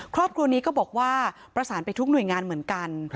ครอบครัวนี้ก็บอกว่าประสานไปทุกหน่วยงานเหมือนกัน